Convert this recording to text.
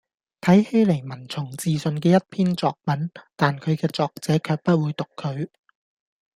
睇起嚟文從字順嘅一篇作文，但佢嘅作者卻不會讀佢